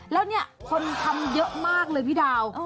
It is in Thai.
แล้วเนี่ยคนทำเยอะมากเลยพี่ดาว